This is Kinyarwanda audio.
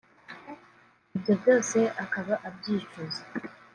ibyo byose akaba abyicuza